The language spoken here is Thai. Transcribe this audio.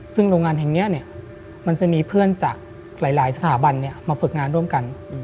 ซึ่งโรงงานแห่งนี้มันจะมีเพื่อนจากหลายสถาบันมาฝึกงานร่วมกัน